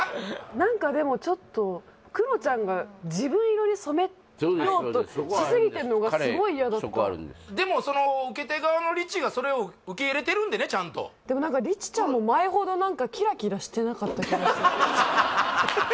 何かでもちょっとクロちゃんが自分色に染めようとしすぎてるのがすごい嫌だったでもその受け手側のリチがそれを受け入れてるんでねちゃんとでも何かリチちゃんもん。